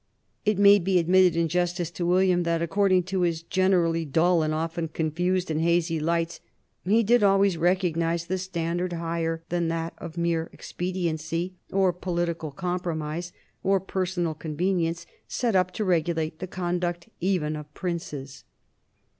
It may be admitted, in justice to William, that according to his generally dull and often confused and hazy lights he did always recognize the standard, higher than that of mere expediency, or political compromise, or personal convenience, set up to regulate the conduct even of princes.